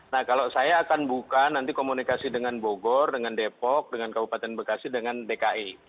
nah kalau saya akan buka nanti komunikasi dengan bogor dengan depok dengan kabupaten bekasi dengan dki